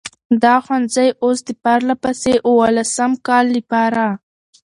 دا ښوونځی اوس د پرلهپسې اوولسم کال لپاره،